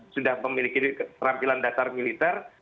sudah memiliki keterampilan dasar militer